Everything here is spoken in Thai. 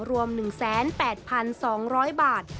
รวม๑๘๒๐๐บาท